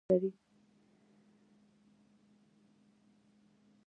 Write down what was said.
افغانستان د دریابونه په اړه مشهور تاریخی روایتونه لري.